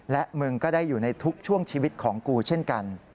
และมึงก็ได้อยู่ในทุกช่วงชีวิตของกูเช่นกัน